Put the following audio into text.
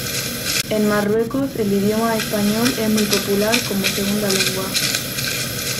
En Marruecos el idioma español es muy popular como segunda lengua.